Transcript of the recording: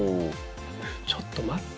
ちょっと待って。